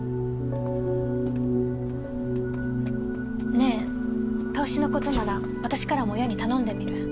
ねぇ投資のことなら私からも親に頼んでみる。